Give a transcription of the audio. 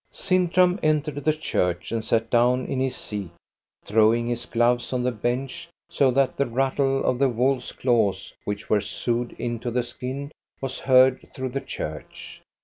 Sintram entered the church and sat down in his seat, throwing his gloves on the bench, so that the rattle of the wolves' claws which were sewed into the skin was heard through the church.